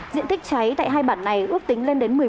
diện tích cháy tại hai bản này ước tính lên đến